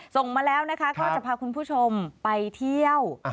ส่งมาแล้วนะคะก็จะพาคุณผู้ชมไปเที่ยว